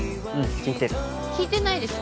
聞いてないでしょ。